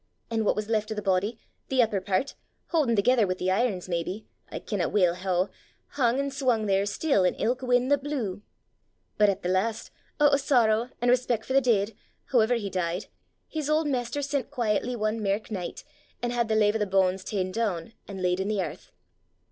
An' what was left o' the body, the upper pairt, hauden thegither wi' the irons, maybe I kenna weel hoo, hung an' swung there still, in ilk win' that blew. But at the last, oot o' sorrow, an' respec' for the deid, hooever he dee'd, his auld maister sent quaietly ae mirk nicht, an' had the lave o' the banes ta'en doon an' laid i' the earth.